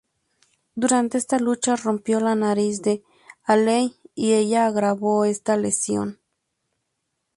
Durante esta lucha, rompió la nariz de Haley y ella agravó esta lesión.